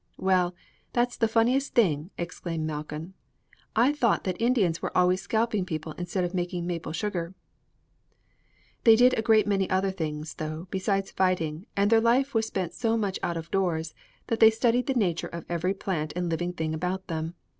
"Well, that's the funniest thing!" exclaimed Malcolm. "I thought that Indians were always scalping people instead of making maple sugar." "They did a great many other things, though, besides fighting, and their life was spent so much out of doors that they studied the nature of every plant and living thing about them.